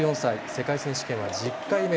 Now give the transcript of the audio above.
世界選手権は１０回目。